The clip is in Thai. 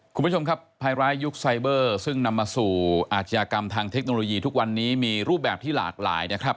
คุณผู้ชมครับภายร้ายยุคไซเบอร์ซึ่งนำมาสู่อาชญากรรมทางเทคโนโลยีทุกวันนี้มีรูปแบบที่หลากหลายนะครับ